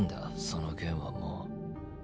その件はもう。